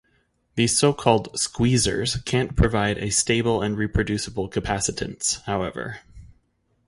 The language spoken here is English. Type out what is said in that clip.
These so-called "squeezers" can't provide a stable and reproducible capacitance, however.